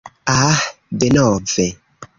Ah, denove!